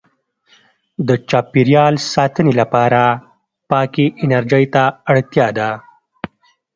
• د چاپېریال ساتنې لپاره پاکې انرژۍ ته اړتیا ده.